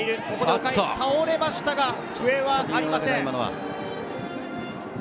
岡井、倒れましたが、笛はありません。